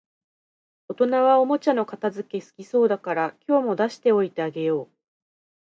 大人はおもちゃの片づけ好きそうだから、今日も出しておいてあげよう